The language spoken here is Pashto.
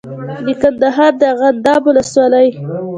د کندهار د ارغنداب ولسوالۍ